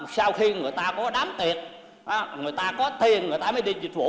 sau khi người ta có đám tiệc người ta có tiền người ta mới đi dịch vụ